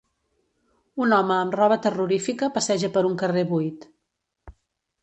Un home amb roba terrorífica passeja per un carrer buit